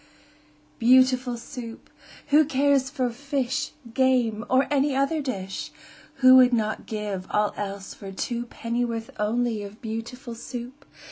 Beautiful Soup! Who cares for fish, Game, or any other dish? Who would not give all else for two Pennyworth only of Beautiful Soup?